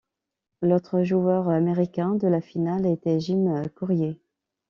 L'autre joueur américain de la finale était Jim Courier.